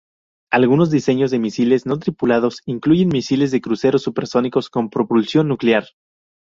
Algunos diseños de misiles no tripulados incluyen misiles de crucero supersónicos con propulsión nuclear.